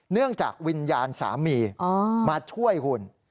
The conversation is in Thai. เนื่องจากวิญญาณสามีมาช่วยคุณ